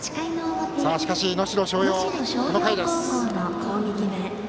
しかし能代松陽、この回です。